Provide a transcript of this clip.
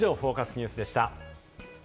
ニュースでした。